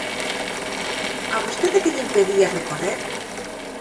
¿A vostede que lle impedía recorrer?